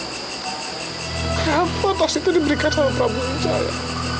kenapa tos itu diberikan sama pak wujaya